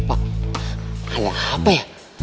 pak ada apa ya